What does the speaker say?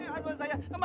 iya cepetan dong pak